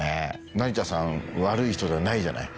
成田さん悪い人じゃないじゃない？